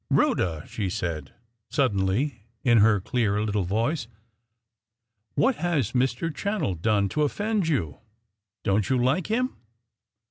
"Rhoda," she said, suddenly, in her clear little voice, "what has Mr. Channell done to offend you? Don't you like him?"